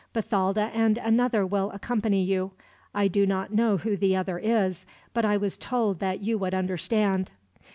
"Bathalda and another will accompany you. I do not know who the other is; but I was told that you would understand."